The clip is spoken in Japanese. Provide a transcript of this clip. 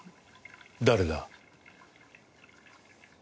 誰だ？